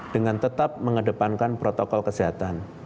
dengan tetap mengedepankan protokol kesehatan